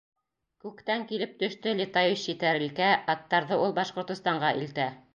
— Күктән килеп төштө летающий тәрилкә, аттарҙы ул Башҡортостанға илтә.